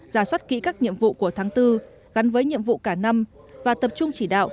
giả soát kỹ các nhiệm vụ của tháng bốn gắn với nhiệm vụ cả năm và tập trung chỉ đạo